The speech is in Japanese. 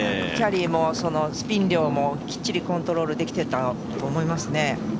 キャリーもスピン量もきっちりコントロールできていたと思いますね。